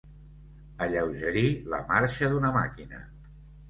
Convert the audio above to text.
Alleugerir la marxa d'una màquina.